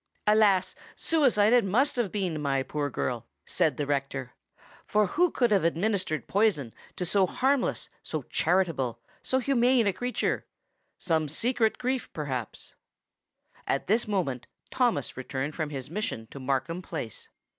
"Alas! suicide it must have been, my poor girl," said the rector; "for who could have administered poison to so harmless, so charitable, so humane a creature? Some secret grief, perhaps——" At this moment Thomas returned from his mission to Markham Place.